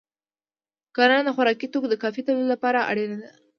کرنه د خوراکي توکو د کافی تولید لپاره اړینه ده.